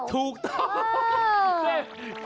ถูกต้อง